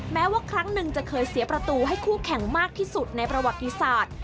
แม้ว่าครั้งหนึ่งจะเคยเสียประตูให้คู่แข่งมากที่สุดในประวัติศาสตร์